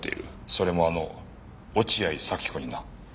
それもあの落合佐妃子にな。